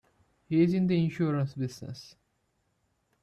He's in the insurance business.